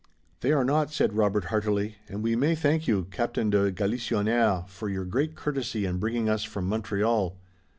"They are not," said Robert heartily, "and we may thank you, Captain de Galisonnière, for your great courtesy in bringing us from Montreal.